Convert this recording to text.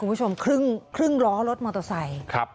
คุณผู้ชมครึ่งล้อรถมอเตอร์ไซค์